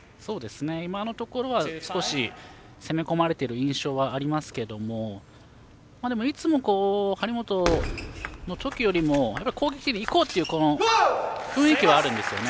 今のところは少し攻め込まれている印象はありますけどもでも、いつもの張本の時よりも攻撃にいこうという雰囲気はあるんですね。